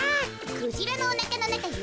クジラのおなかのなかよ。